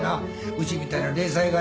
うちみたいな零細がな。